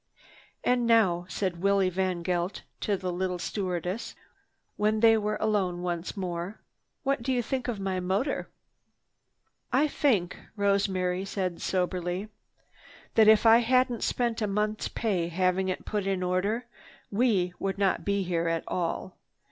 "And now," said Willie VanGeldt to the little stewardess when they were alone once more, "what do you think of my motor?" "I think," said Rosemary soberly, "that if I hadn't spent a month's pay having it put in order, we would not be here at all.